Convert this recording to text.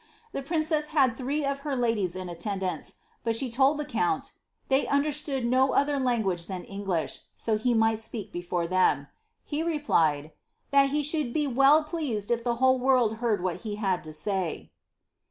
The prin cess had three of her ladies in attendance, but she told the count ^ they understood no other language than English, so he might speak before them." He replied, ^^ that he should be well pleased if the whole world heard what he had to say."